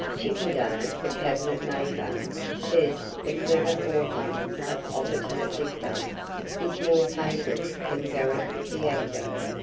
'Chippendale, the cabinet maker,' says the clever author of Obiter Dicta, 'is more potent than Garrick the actor.